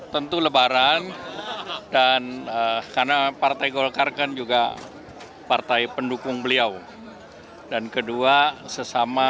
tentu lebaran dan karena partai golkar kan juga partai pendukung beliau dan kedua sesama